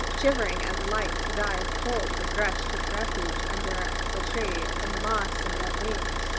Shivering and like to die of cold the Thrush took refuge under the tree in the moss and dead leaves.